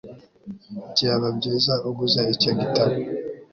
byaba byiza uguze icyo gitabo